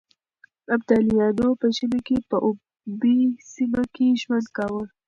ابدالیانو په ژمي کې په اوبې سيمه کې ژوند کاوه.